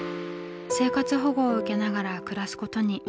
生活保護を受けながら暮らすことに。